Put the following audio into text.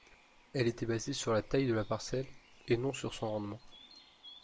Elle était basée sur la taille de la parcelle et non sur son rendement.